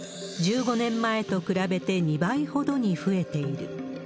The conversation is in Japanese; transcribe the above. １５年前と比べて２倍ほどに増えている。